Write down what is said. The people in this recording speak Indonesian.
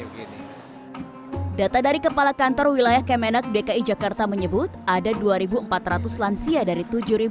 data dari kepala kantor wilayah kemenak dki jakarta menyebut ada dua ribu empat ratus lansia dari tujuh ratus